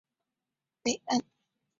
此时县治由罗家坪迁至洣水北岸。